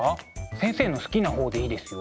先生の好きな方でいいですよ。